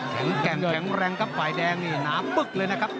แข็งแรงแข็งแรงแล้วปลายแดงหน้าปุ๊กเลยนะครับ